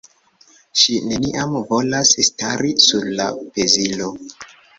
Ŝi neniam volas stari sur la pezilo.